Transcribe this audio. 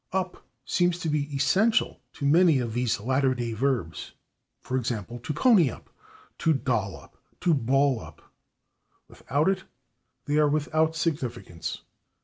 /Up/ seems to be essential to many of these latter day verbs, /e. g./, /to pony up/, /to doll up/, /to ball up/; without it they are without significance.